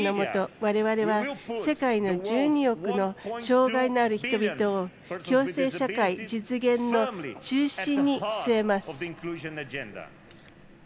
われわれ世界の１２億の障がいのある人々を共生社会実現の中心に据えます。